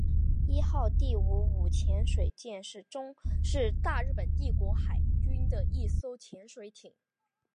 伊号第五五潜水舰是大日本帝国海军的一艘潜水艇。